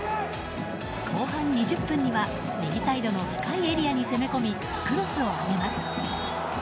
後半２０分には右サイドの深いエリアに攻め込みクロスを上げます。